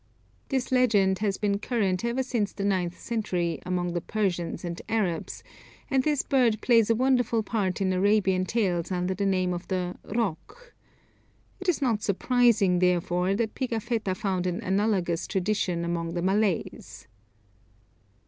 This legend has been current ever since the ninth century, among the Persians and Arabs, and this bird plays a wonderful part in Arabian tales under the name of the roc. It is not surprising, therefore, that Pigafetta found an analogous tradition among the Malays.